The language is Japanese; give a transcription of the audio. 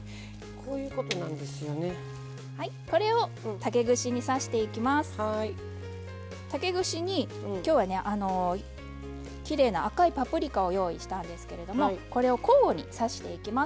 竹串に今日はきれいな赤いパプリカを用意したんですけれどもこれを交互に刺していきます。